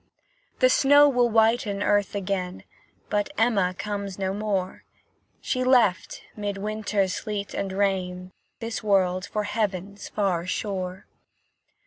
The snow will whiten earth again, But Emma comes no more; She left, 'mid winter's sleet and rain, This world for Heaven's far shore.